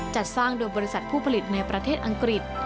จัดสร้างโดยบริษัทผู้ผลิตในประเทศอังกฤษ